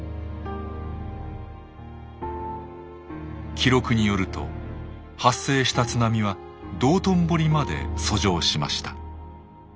記録によると発生した津波は道頓堀まで遡上しました。